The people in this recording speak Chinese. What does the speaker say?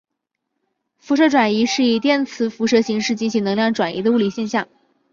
辐射转移是以电磁辐射形式进行能量转移的物理现象。